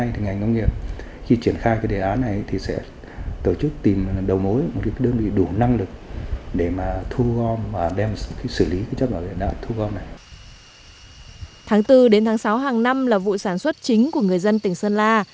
tháng bốn đến tháng sáu hàng năm là vụ sản xuất chính của người dân tỉnh sơn la